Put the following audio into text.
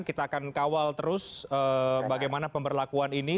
kita akan kawal terus bagaimana pemberlakuan ini